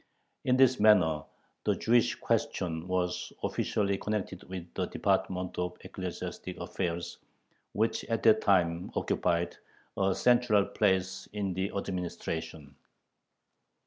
In this manner the Jewish question was officially connected with the department of ecclesiastic affairs, which at that time occupied a central place in the administration.